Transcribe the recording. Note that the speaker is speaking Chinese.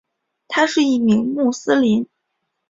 他是一名穆斯林。